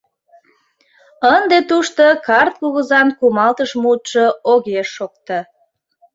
Ынде тушто карт кугызан кумалтыш мутшо огеш шокто.